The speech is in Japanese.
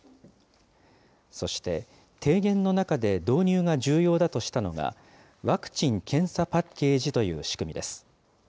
そして提言の中で導入が重要だとしたのが、ワクチン・検査パッケージという仕組みです。